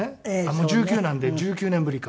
もう１９なんで１９年ぶりか。